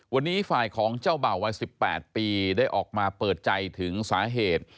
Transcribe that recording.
วันนี้ฝ่ายของเจ้าเบ่าวัย๑๘ปีได้ออกมาเปิดใจถึงสาเหตุ